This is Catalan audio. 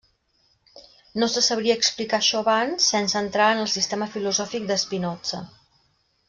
No se sabria explicar això abans sense entrar en el sistema filosòfic de Spinoza.